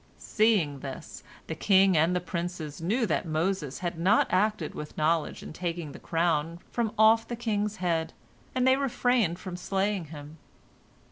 Seeing this, the king and the princes knew that Moses had not acted with knowledge in taking the crown from off the king's head, and they refrained from slaying him.